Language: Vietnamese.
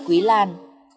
chị quý lan